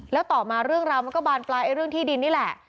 แล้วต่อมาเรื่องราวมันก็บานปลายเรื่องที่ดินนี่แหละ